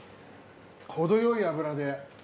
程よい脂で。